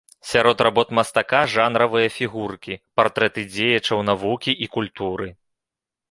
Сярод работ мастака жанравыя фігуркі, партрэты дзеячаў навукі і культуры.